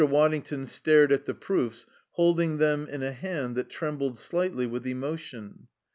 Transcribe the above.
Waddington stared at the proofs, holding them in a hand that trembled slightly with emotion.